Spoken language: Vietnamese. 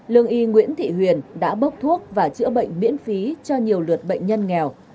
lương y nguyễn thị huyền đã bốc thuốc và chữa bệnh miễn phí cho nhiều lượt bệnh nhân nghèo